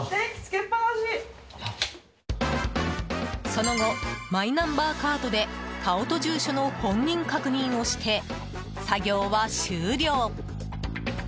その後、マイナンバーカードで顔と住所の本人確認をして作業は終了。